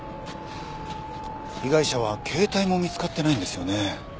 被害者は携帯も見つかってないんですよね？